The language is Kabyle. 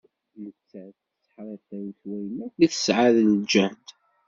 Nettat tetteḥriṭṭiw s wayen akk i tesɛa n lǧehd.